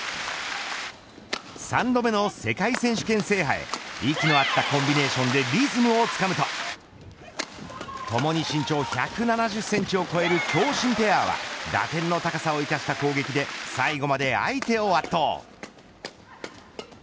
３度目の世界選手権制覇へ息の合ったコンビネーションでリズムをつかむとともに身長１７０センチを超える長身ペアは打点の高さを生かした攻撃で最後まで相手を圧倒。